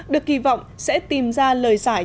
được kỳ vọng sẽ tìm ra lời giải